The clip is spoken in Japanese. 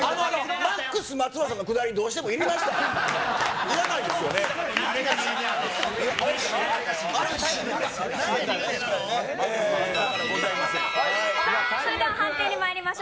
マックスまつうらさんのくだり、どうしてもいりました？